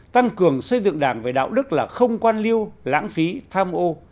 tăng cường xây dựng đảng về đạo đức là không quan liêu lãng phí tham ô